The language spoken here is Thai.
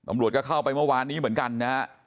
ตำรวจก็เข้าไปเมื่อวานนี้เหมือนกันนะฮะ